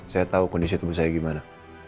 saya tahu kondisi tubuh saya gimana